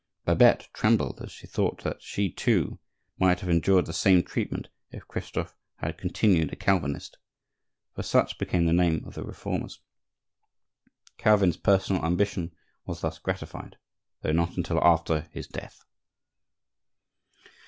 Babette trembled as she thought that she, too, might have endured the same treatment if Christophe had continued a Calvinist,—for such became the name of the Reformers. Calvin's personal ambition was thus gratified, though not until after his death.